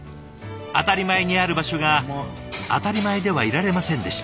当たり前にある場所が当たり前ではいられませんでした。